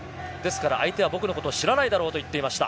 相手は僕のことを知らないだろうと言っていました。